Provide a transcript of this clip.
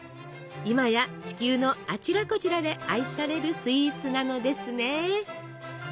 今や地球のあちらこちらで愛されるスイーツなのですね。